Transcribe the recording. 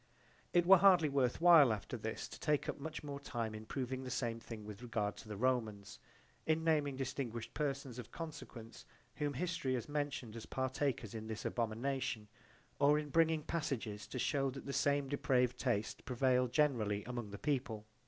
It were hardly worth while after this to take up much time in proving the same thing with regard to the Romans, in naming distinguished persons of consequence whom history has mentioned as partakers in this abomination, or in bringing passages to shew that the same depraved taste prevailed generally among the people.